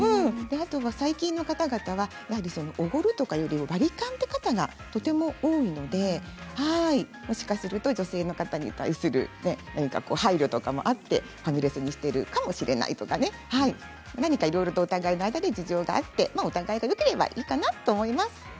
最近の方々はおごるとかいうよりは割り勘という方がとても多いのでもしかすると女性の方に対する何か配慮とかもあってファミレスにしているかもしれないとか何かお互いの中で事情があってお互いがよければいいのかなと思います。